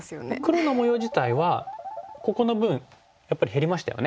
黒の模様自体はここの分やっぱり減りましたよね。